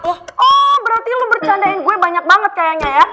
oh berarti lo bercandain gue banyak banget kayaknya ya